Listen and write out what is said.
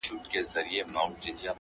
هغه چي ته يې په هغه دنيا له خدايه غوښتې~